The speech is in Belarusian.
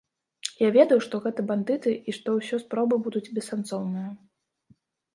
Я ведаў, што гэта бандыты і што ўсе спробы будуць бессэнсоўныя.